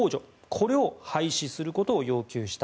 これを廃止することを要求した。